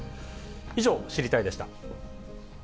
以上、知りたいッ！でした。